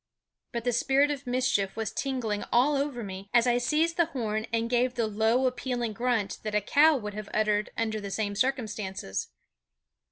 But the spirit of mischief was tingling all over me as I seized the horn and gave the low appealing grunt that a cow would have uttered under the same circumstances.